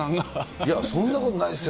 いや、そんなことないですよ。